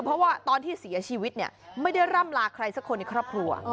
เพราะว่าตอนที่เสียชีวิตเนี่ยไม่ได้ร่ำลาใครสักคนในครอบครัว